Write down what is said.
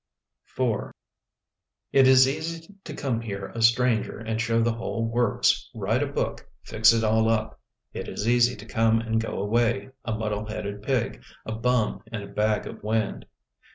The Windy City It is easy to come here a stranger and show the whole works, write a book, fix it all up — it is easy to come and go away a muddle headed pig, a bum and a bag of wind.